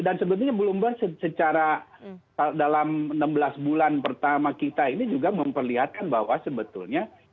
dan sebetulnya bloomberg secara dalam enam belas bulan pertama kita ini juga memperlihatkan bahwa sebetulnya